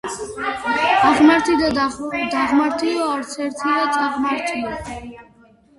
აღმართი და დაღმართიო არც ერთია წაღმართიო.